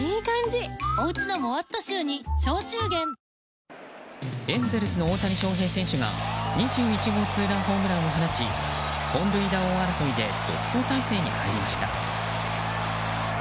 わかるぞエンゼルスの大谷翔平選手が２１号ツーランホームランを放ち本塁打王争いで独走態勢に入りました。